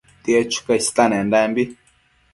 tied chuca istenendambi